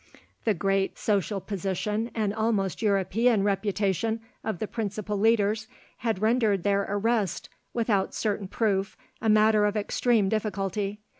The great social position and almost European reputation of the principal leaders had rendered their arrest without certain proof a matter of extreme difficulty.